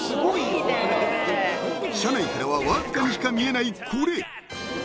［車内からはわずかにしか見えないこれ］